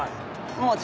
もう。